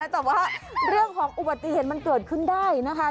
แต่ว่าเรื่องของอุบัติเหตุมันเกิดขึ้นได้นะคะ